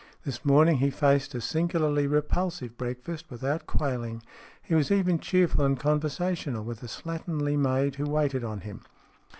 This morning he faced a singularly repulsive breakfast without quailing. He was even cheerful and conversational with a slatternly maid who waited on him.